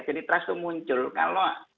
jadi trust itu muncul kalau